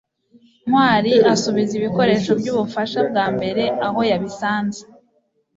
ntwali asubiza ibikoresho byubufasha bwambere aho yabisanze